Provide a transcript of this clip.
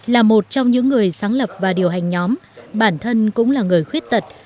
là một trong những người sáng lập và điều hành nhóm bản thân cũng là người khuyết tật